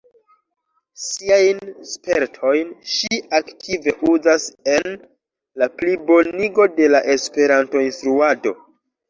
Siajn spertojn ŝi aktive uzas en la plibonigo de la Esperanto-instruado.